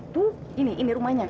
tuh ini ini rumahnya